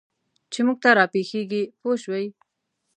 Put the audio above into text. چې موږ ته را پېښېږي پوه شوې!.